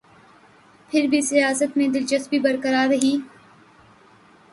پھر بھی سیاست میں دلچسپی برقرار رہی۔